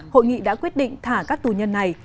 hội nghị đã quyết định thả các tù nhân này